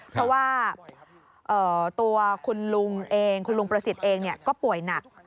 เพราะว่าตัวคุณลุงประสิทธิ์เองเนี่ยก็ป่วยหนัก